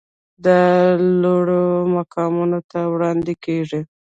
دا لوړو مقاماتو ته وړاندې کیږي.